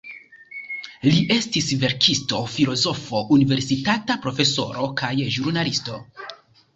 Li estis verkisto, filozofo, universitata profesoro kaj ĵurnalisto.